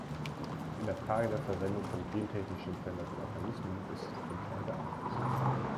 In der Frage der Verwendung von gentechnisch veränderten Organismen ist die Grundlage anders.